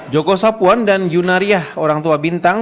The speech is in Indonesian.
joko sapuan dan yunariah orang tua bintang